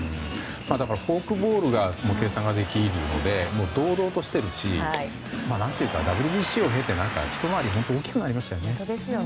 フォークボールが計算できるので堂々としてるし、ＷＢＣを経てひと回り大きくなりましたね。